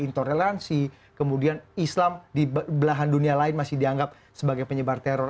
intoleransi kemudian islam di belahan dunia lain masih dianggap sebagai penyebar teror